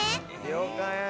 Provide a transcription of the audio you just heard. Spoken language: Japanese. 了解！